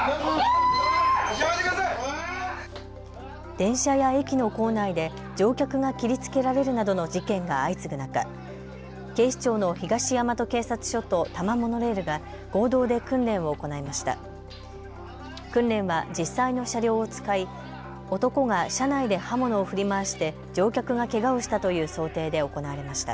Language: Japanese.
電車や駅の構内で乗客が切りつけられるなどの事件が相次ぐ中、警視庁の東大和警察署と多摩モノレールが合同で訓練を行いました。